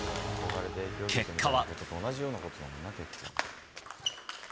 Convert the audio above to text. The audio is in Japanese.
結果は。